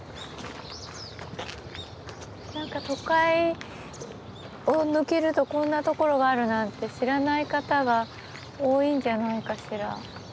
何か都会を抜けるとこんな所があるなんて知らない方が多いんじゃないかしら。